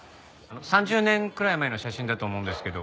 ３０年くらい前の写真だと思うんですけど。